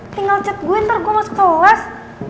tinggal chat gue ntar gue masuk kelas